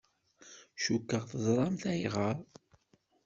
Cukkeɣ teẓramt ayɣer.